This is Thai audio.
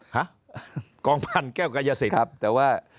ห้ะกองพันแก้วกายสิทธิ์